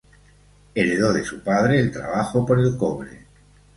Heredo de su padre el trabajo por el cobre.